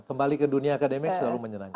kembali ke dunia akademik selalu menyerangnya